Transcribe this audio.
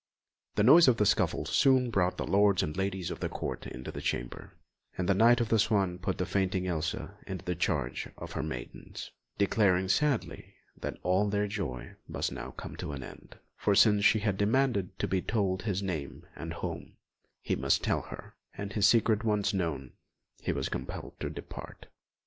The noise of the scuffle soon brought the lords and ladies of the Court into the chamber, and the Knight of the Swan put the fainting Elsa into the charge of her maidens, declaring sadly that all their joy must now come to an end, for since she had demanded to be told his name and home, he must tell her, and his secret once known, he was compelled to depart.